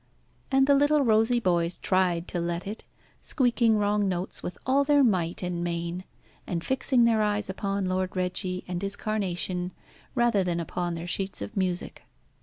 And the little rosy boys tried to let it, squeaking wrong notes with all their might and main, and fixing their eyes upon Lord Reggie and his carnation, rather than upon their sheets of music.